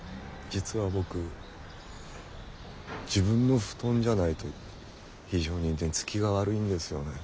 実は僕自分の布団じゃないと非常に寝つきが悪いんですよね。